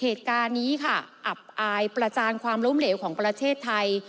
เหตุการณ์นี้ค่ะอับอายประจานความล้มเหลวของประเทศไทย